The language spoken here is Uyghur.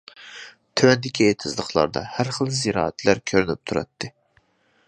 تۆۋەندىكى ئېتىزلىقلاردا ھەر خىل زىرائەتلەر كۆرۈنۈپ تۇراتتى.